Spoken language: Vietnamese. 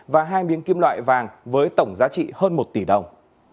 và hai miếng kim loại vàng với tổng giá trị hơn một tỷ đồng